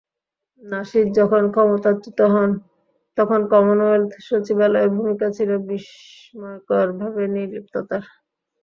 নাশিদ যখন ক্ষমতাচ্যুত হন, তখন কমনওয়েলথ সচিবালয়ের ভূমিকা ছিল বিস্ময়করভাবে নির্লিপ্ততার।